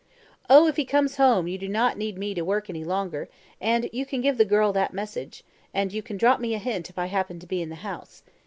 "Oh, if he comes home you do not need me to work any longer; and you can give the girl that message; and you can drop me a hint if I happen to be in the house.